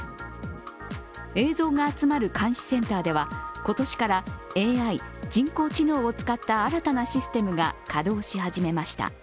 映像が集まる監視センターでは今年からＡＩ＝人工知能を使った新たなシステムが稼働し始めました。